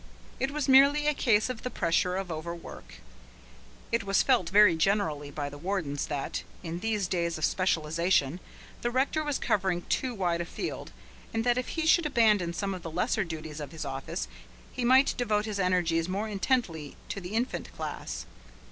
It was merely a case of the pressure of overwork. It was felt very generally by the wardens that, in these days of specialization, the rector was covering too wide a field, and that if he should abandon some of the lesser duties of his office, he might devote his energies more intently to the Infant Class.